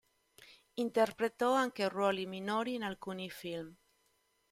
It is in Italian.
Interpretò anche ruoli minori in alcuni film.